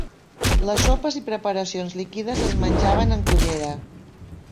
Les sopes i preparacions líquides es menjaven amb cullera.